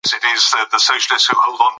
ده د وټس اپ پیغامونو ته وکتل.